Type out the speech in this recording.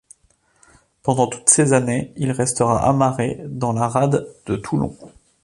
Pendant toutes ces années, il restera amarré dans la rade de Toulon.